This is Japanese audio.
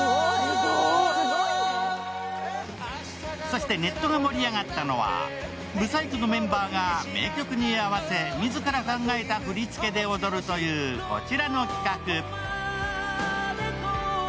そしてネットが盛り上がったのは舞祭組のメンバーが名曲に合わせ、自ら考えた振り付けで歌うというこちらの企画。